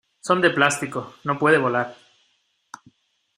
Son de plástico. No puede volar .